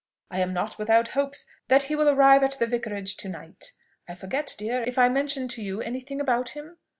I am not without hopes that he will arrive at the Vicarage to night. I forget, dear, if I mentioned to you any thing about him?